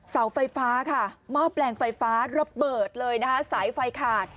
เสาไฟฟ้าค่ะหม้อแปลงไฟฟ้าระเบิดเลยนะคะสายไฟขาด